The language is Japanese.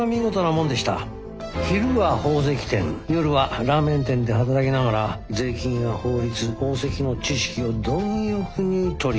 昼は宝石店夜はラーメン店で働きながら税金や法律宝石の知識を貪欲に取り入れた。